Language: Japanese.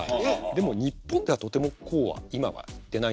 でも日本ではとてもこうは今はいってないんですよ。